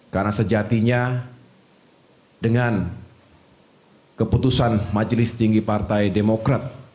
karena sejatinya dengan keputusan majelis tinggi partai demokrat